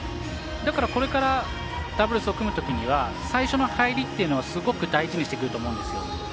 だから、これからダブルスを組むときには最初の入りっていうのをすごく大事にしてくると思うんですよ。